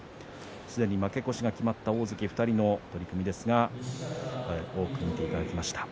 すでに負け越しが決まった大関２人の取組ですが多く見ていただきました。